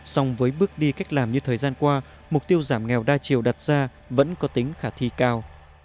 song với bước đi cách làm như thời gian qua mục tiêu giảm nghèo đa chiều đặt ra vẫn có tính khả thi cao